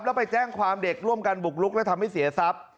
แล้วไปแจ้งความเด็กร่วมกันบุกลุกและทำให้เสียทรัพย์